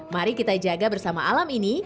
mari kita jaga bersama alam ini